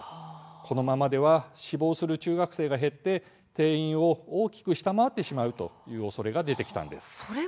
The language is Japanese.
このままでは志望する中学生が減って定員を大きく下回ってしまうおそれが出てきたんです。